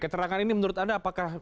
keterangan ini menurut anda apakah